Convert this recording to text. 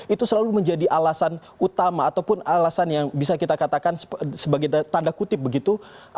itu selalu menjadi alasan utama ataupun alasan yang bisa kita katakan sebagai tanda kutip begitu